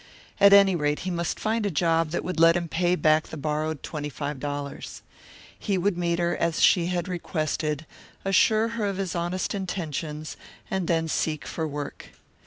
At any rate, he must find a job that would let him pay back the borrowed twenty five dollars. He would meet her as she had requested, assure her of his honest intentions, and then seek for work.